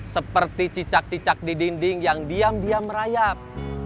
seperti cicak cicak di dinding yang diam diam merayap